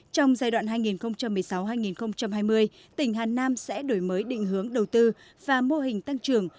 trong giai đoạn hai nghìn một mươi sáu hai nghìn hai mươi tỉnh hà nam sẽ đổi mới định hướng đầu tư và mô hình tăng trưởng